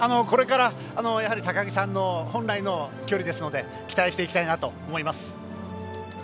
これから高木さんの本来の距離ですので期待したいと思います。